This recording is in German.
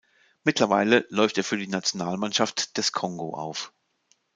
Mittlerweile läuft er für die Nationalmannschaft des Kongo auf.